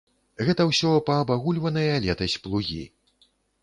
Гэта ўсё паабагульваныя летась плугі.